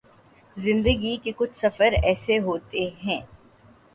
زندگی کے کچھ سفر ایسے ہوتے ہیں